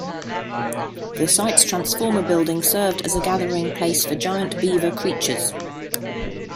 The site's transformer building served as a gathering place for giant beaver creatures.